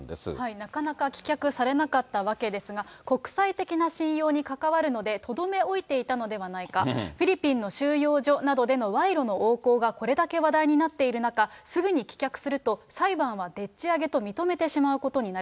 なかなか棄却されなかったわけですが、国際的な信用にかかわるので、とどめ置いていたのではないか。フィリピンの収容所などでの賄賂の横行がこれだけ話題になっている中、すぐに棄却すると、裁判はでっち上げと認めてしまうことになる。